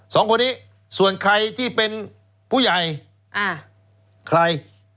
สองคนนี้ส่วนใครที่เป็นผู้ใหญ่อ่าใคร